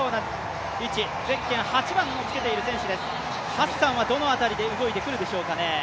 ハッサンはどの辺りで動いてくるでしょうかね。